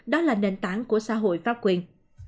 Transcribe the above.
đó là nền tảng của xã hội pháp quyền